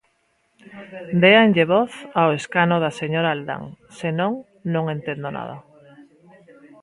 Déanlle voz ao escano da señora Aldán; se non, non entendo nada.